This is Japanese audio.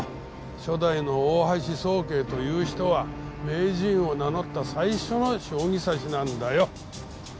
初代の大橋宗桂という人は名人を名乗った最初の将棋指しなんだよ。